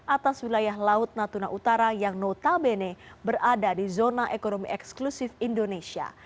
atas wilayah laut natuna utara yang notabene berada di zona ekonomi eksklusif indonesia